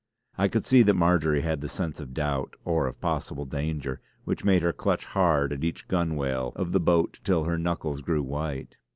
I could see that Marjory had the sense of doubt, or of possible danger, which made her clutch hard at each gunwale of the boat till her knuckles grew white.